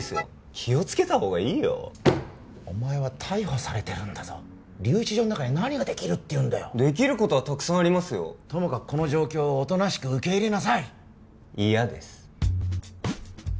気をつけた方がいいよお前は逮捕されてるんだぞ留置場の中で何ができる？できることはたくさんありますよともかくこの状況をおとなしく受け入れなさい嫌です